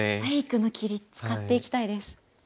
フェイクの切り使っていきたいです。